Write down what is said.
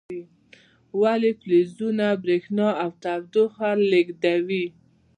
ولې فلزونه برېښنا او تودوخه لیږدوي؟